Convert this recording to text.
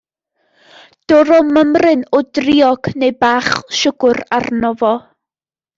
Dyro mymryn o driog neu bach o siwgr arno fo.